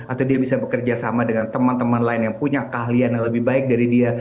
atau dia bisa bekerja sama dengan teman teman lain yang punya keahlian yang lebih baik dari dia